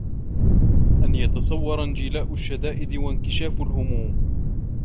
أَنْ يَتَصَوَّرَ انْجِلَاءَ الشَّدَائِدِ وَانْكِشَافَ الْهُمُومِ